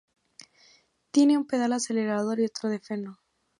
Tiene un pedal acelerador y otro de freno.